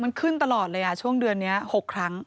มันขึ้นตลอดเลยช่วงเดือนนี้๖ครั้ง